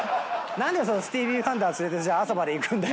何でスティーヴィー・ワンダー連れて朝までいくんだよ。